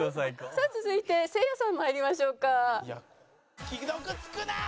さあ続いてせいやさん参りましょうか。